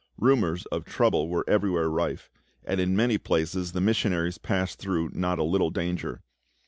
Rumours of trouble were everywhere rife, and in many places the missionaries passed through not a little danger.